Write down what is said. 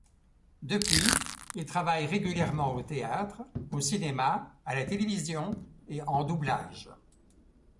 Depuis, il travaille régulièrement au théâtre, au cinéma, à la télévision et en doublage.